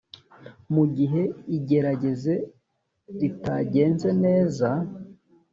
mu gihe igerageze ritagenze neza